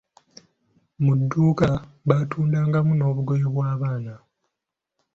Mu dduuka baatundangamu n'obugoye bw'abaana.